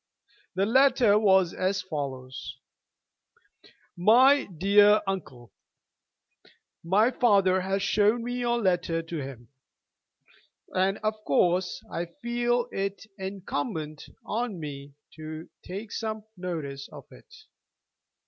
The letter was as follows: "MY DEAR UNCLE, My father has shown me your letter to him, and, of course, I feel it incumbent on me to take some notice of it.